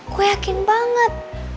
gue yakin banget